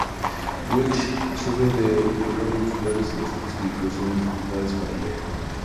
Welsh sufre de problemas musculares en los ojos que le causaron dificultades para leer.